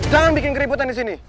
jangan bikin keributan disini